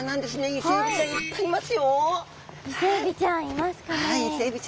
イセエビちゃんいますかね？